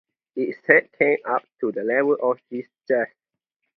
Its head comes up to the level of his chest.